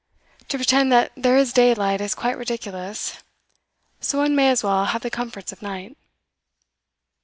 To pretend that there is daylight is quite ridiculous, so one may as well have the comforts of night.